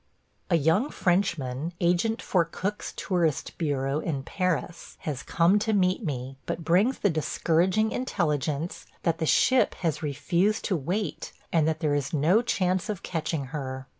A young Frenchman, agent for Cook's tourist bureau in Paris, has come to meet me, but brings the discouraging intelligence that the ship has refused to wait and that there is no chance of catching her.